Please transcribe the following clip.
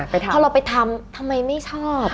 พอเราไปทำทำไมไม่ชอบ